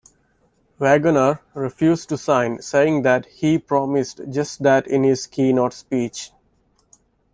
Wagoner refused to sign, saying that he promised just that in his keynote speech.